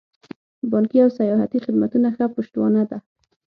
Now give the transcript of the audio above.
بانکي او سیاحتي خدمتونه ښه پشتوانه ده.